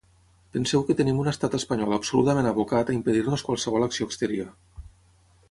Penseu que tenim un estat espanyol absolutament abocat a impedir-nos qualsevol acció exterior.